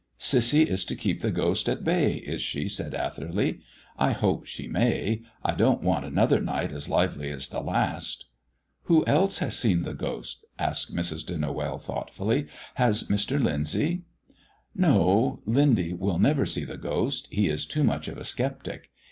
"Cissy is to keep the ghost at bay, is she?" said Atherley. "I hope she may. I don't want another night as lively as the last." "Who else has seen the ghost?" asked Mrs. de Noël, thoughtfully. "Has Mr. Lyndsay?" "No, Lindy will never see the ghost; he is too much of a sceptic.